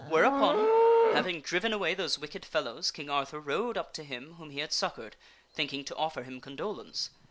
Whereupon, having driven away those wicked fellows, King Arthur rode up to him whom he had succored, thinking to offer him condolence.